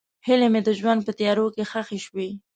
هیلې مې د ژوند په تیارو کې ښخې شوې.